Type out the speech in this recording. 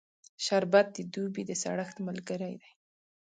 شربت د دوبی د سړښت ملګری دی